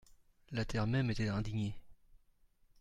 La terre même était indignée.